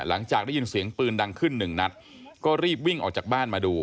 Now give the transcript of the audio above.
หลังจากได้ยินเสียงปืนดังขึ้นหนึ่งนัดก็รีบวิ่งออกจากบ้านมาดู